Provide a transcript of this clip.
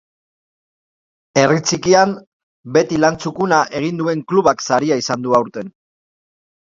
Herri txikian, beti lan txukuna egin duen klubak saria izan du aurten.